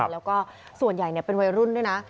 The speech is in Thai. แล้วก็ส่วนใหญ่เป็นวัยรุ่นด้วยนะ